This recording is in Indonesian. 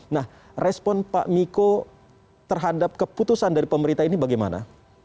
nah respon pak miko terhadap keputusan dari pemerintah ini bagaimana